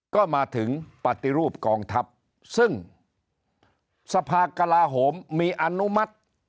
ก็มาถึงปฏิรูปกองทัพซึ่งสภากลาโหมมีอนุมัติ